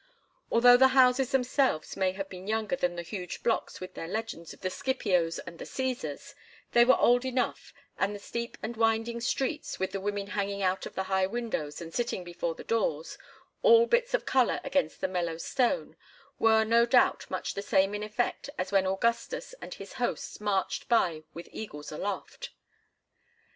Although the houses themselves may have been younger than the huge blocks with their legends of the Scipios and the Cæsars, they were old enough, and the steep and winding streets, with the women hanging out of the high windows and sitting before the doors, all bits of color against the mellow stone, were no doubt much the same in effect as when Augustus and his hosts marched by with eagles aloft.